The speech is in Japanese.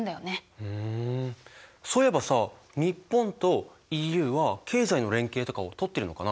ふんそういえばさ日本とＥＵは経済の連携とかをとってるのかな？